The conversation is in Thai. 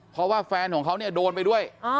เพราะว่าแฟนของเขาเนี่ยโดนไปด้วย